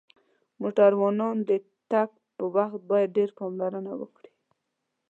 موټروانان د تک پر وخت باید ډیر پاملرنه وکړی